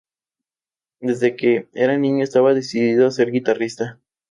Desde que era niño estaba decidido a ser guitarrista.